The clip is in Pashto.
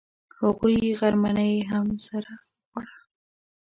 هغوی غرمنۍ هم سره وخوړه.